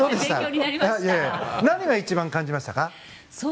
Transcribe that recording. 何が一番感じましたか？